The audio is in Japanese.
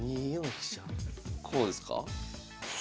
こうですか？